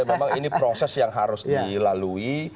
ya memang ini proses yang harus dilalui